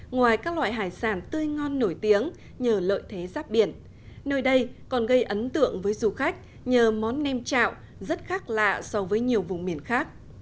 ngoài các loại hải sản tươi ngon nổi tiếng nhờ lợi thế giáp biển nơi đây còn gây ấn tượng với du khách nhờ món nem chạo rất khác lạ so với nhiều vùng miền khác